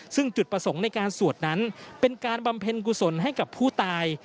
ซึ่งจุดประสงค์ในการสวดนั้นเป็นการบำเพ็ญกุศลให้กับผู้ตาย